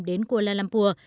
đến kuala lumpur